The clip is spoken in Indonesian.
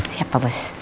siap pak bos